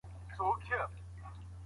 د ږیري خاوند ډنډ ته د چاڼ ماشین یووړ.